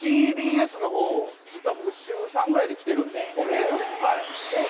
ＴＢＳの方、実は僕、週３ぐらいで来てるので。